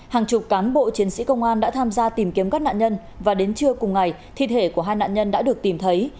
hàng chục cán bộ chiến sĩ công an đã tham gia tìm kiếm các nạn nhân và đến trưa cùng ngày thi thể của hai nạn nhân đã được tìm thấy